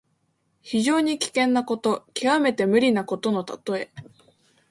非常に危険なこと、きわめて無理なことのたとえ。